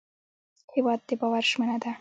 هېواد د باور ژمنه ده.